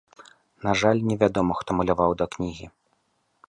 На жаль, не вядома, хто маляваў да кнігі.